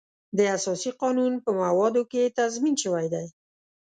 د اساسي قانون په موادو کې تضمین شوی دی.